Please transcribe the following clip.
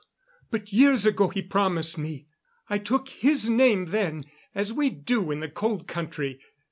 But years ago he promised me. I took his name then, as we do in the Cold Country.